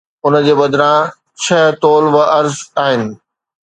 ان جي بدران، ڇهه طول و عرض آهن